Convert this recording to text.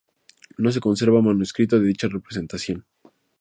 No se conserva manuscrito de dicha representación.